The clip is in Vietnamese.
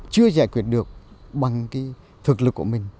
chưa giải quyết được bằng thực lực của mình